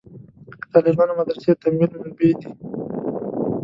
د طالبانو مدرسې تمویل منبعې دي.